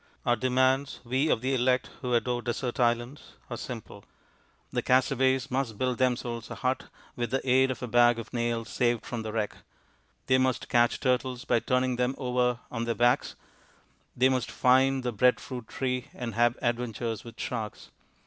Our demands we of the elect who adore desert islands are simple. The castaways must build themselves a hut with the aid of a bag of nails saved from the wreck; they must catch turtles by turning them over on their backs; they must find the bread fruit tree and have adventures with sharks.